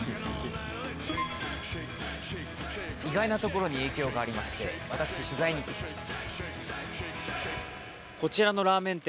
意外なところに影響がありまして、私、取材に行ってきました。